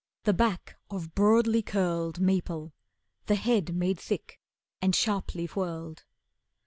The back of broadly curled Maple, the head made thick and sharply whirled.